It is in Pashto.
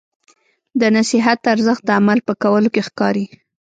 د نصیحت ارزښت د عمل په کولو کې ښکاري.